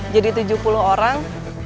jadi tujuh puluh orang